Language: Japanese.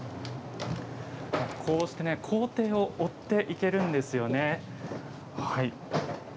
こうして工程を追っていけるんですよね。